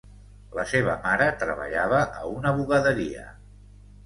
La seva mare treballava a una bugaderia.